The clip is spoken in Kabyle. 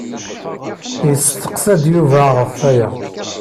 Yesteqsa-d Yuba ɣef waya.